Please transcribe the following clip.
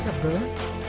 phong cách di lặc